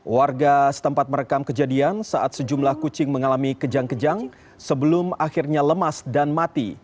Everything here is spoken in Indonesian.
warga setempat merekam kejadian saat sejumlah kucing mengalami kejang kejang sebelum akhirnya lemas dan mati